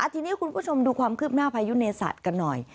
ทีนี้คุณผู้ชมดูความคืบหน้าพายุเนศาสตร์กันหน่อย